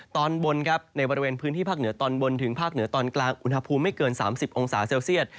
ตอนบนครับในบริเวณพื้นที่ภาคเหนือตอนบนถึงภาคเหนือตอนกลางอุณหภูมิไม่เกิน๓๐องศาเซลเซียต